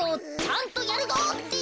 ちゃんとやるぞって。